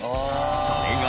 それが。